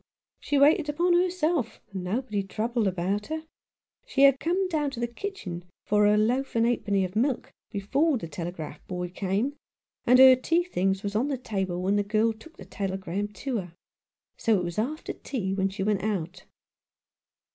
She waited upon herself, and nobody troubled about her. She had come down to the kitchen for her loaf and ha'porth of milk before the telegraph boy came, and her tea things was on the table when the girl took the telegram to her. So it Was after tea when she went out."